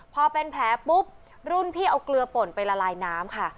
พอเป็นแผลปุ๊บรุ่นพี่เอาเกลือป่นไปละลายน้ำค่ะ